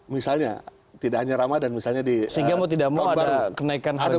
misalnya tidak hanya ramadan misalnya di sehingga mau tidak mau ada kenaikan harga